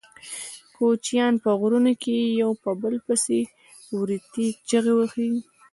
کوچیان په غرونو کې یو په بل پسې وریتې چیغې وهي.